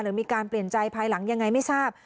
หรือมีการเปลี่ยนใจภายหลังยังไงไม่ทราบ